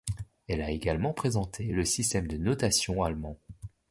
Elle a également présenté le système de notation allemand.